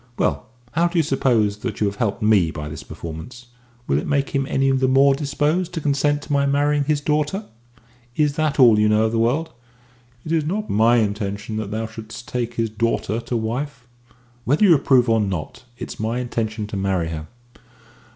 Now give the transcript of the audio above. "Well, how do you suppose that you have helped me by this performance? Will it make him any the more disposed to consent to my marrying his daughter? Is that all you know of the world?" "It is not my intention that thou shouldst take his daughter to wife." "Whether you approve or not, it's my intention to marry her."